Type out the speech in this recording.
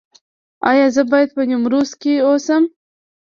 ایا زه باید په نیمروز کې اوسم؟